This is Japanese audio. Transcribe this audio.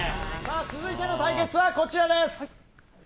続いての対決はこちらです。